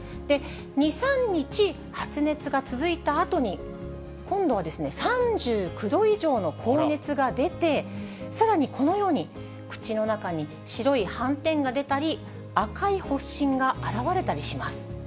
２、３日発熱が続いたあとに、今度は３９度以上の高熱が出て、さらにこのように、口の中に白い斑点が出たり、赤い発疹が現れたりします。